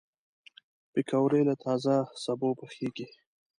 پکورې له تازه سبو پخېږي